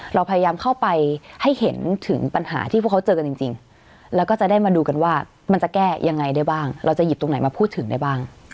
เราพยายามเข้าไปให้เห็นถึงปัญหาที่พวกเขาเจอกันจริงแล้วก็จะได้มาดูกันว่ามันจะแก้ยังไงได้บ้างเราจะหยิบตรงไหนมาพูดถึงได้บ้าง